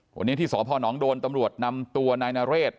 วันนี้ที่สพนโดนตำรวจนำตัวนายนเรศ